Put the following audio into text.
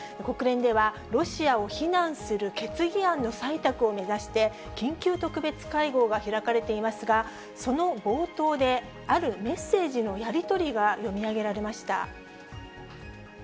国連では、ロシアを非難する決議案の採択を目指して、緊急特別会合が開かれていますが、その冒頭で、あるメッセージのやり取りが読み上げられました。